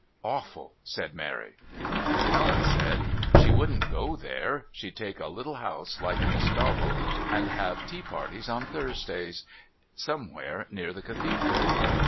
"Awful," said Mary. But Helen said: "She wouldn't go there. She'd take a little house, like Miss Dobell, and have tea parties on Thursdays somewhere near the Cathedral."